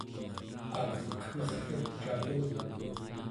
akeqnerrlugcaqunaku